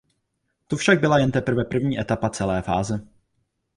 To však byla jen teprve první etapa celé fáze.